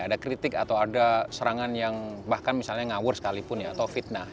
ada kritik atau ada serangan yang bahkan misalnya ngawur sekalipun ya atau fitnah